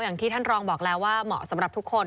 อย่างที่ท่านรองบอกแล้วว่าเหมาะสำหรับทุกคน